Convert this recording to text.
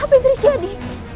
apa yang terjadi